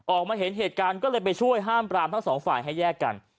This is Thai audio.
ออกมาเห็นเหตุการณ์ก็เลยไปช่วยห้ามปรามทั้งสองฝ่ายให้แยกกัน